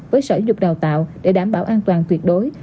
với sở dục đào tạo để đảm bảo an toàn tuyệt đối